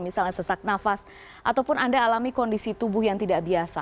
misalnya sesak nafas ataupun anda alami kondisi tubuh yang tidak biasa